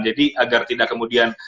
jadi agar tidak kemudian